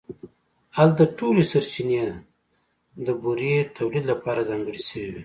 هلته ټولې سرچینې د بورې تولید لپاره ځانګړې شوې وې